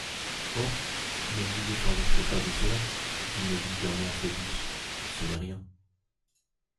Oh! ne vous effarouchez pas de cela, dit négligemment Phœbus, ce n’est rien.